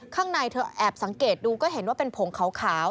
ข้างในเธอแอบสังเกตดูก็เห็นว่าเป็นผงขาว